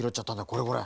これこれ。